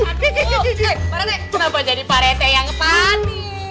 eh marete kenapa jadi pak rete yang panik